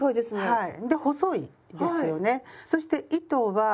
はい。